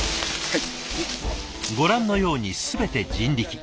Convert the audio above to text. ご覧のように全て人力。